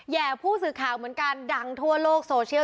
แห่ผู้สื่อข่าวเหมือนกันดังทั่วโลกโซเชียล